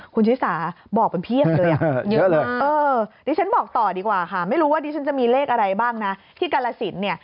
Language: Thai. ก็จะมีเลขอะไรบ้างนะที่กรรศิลป์